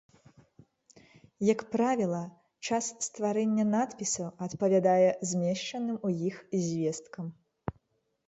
Як правіла, час стварэння надпісаў адпавядае змешчаным ў іх звесткам.